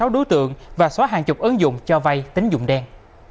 ba mươi sáu đối tượng và xóa hàng chục ứng dụng cho vay tín dụng đen